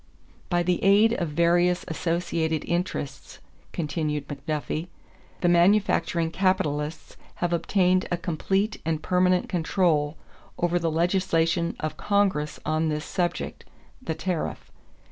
"By the aid of various associated interests," continued McDuffie, "the manufacturing capitalists have obtained a complete and permanent control over the legislation of Congress on this subject [the tariff]....